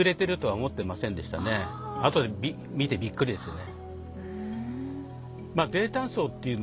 後で見てびっくりですよね。